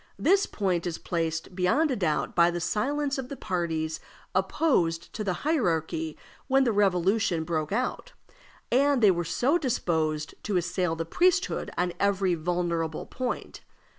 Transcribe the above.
This point is placed beyond a doubt by the silence of the parties opposed to the hierarchy when the Revolution broke out, and they were so disposed to assail the priesthood on every vulnerable point.